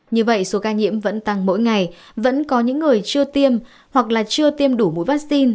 như vậy số ca nhiễm vẫn tăng mỗi ngày vẫn có những người chưa tiêm hoặc là chưa tiêm đủ mũi vaccine